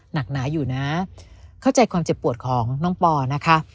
หนาอยู่นะเข้าใจความเจ็บปวดของน้องปอนะคะ